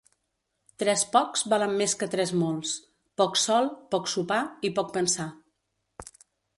Tres pocs valen més que tres molts: poc sol, poc sopar i poc pensar.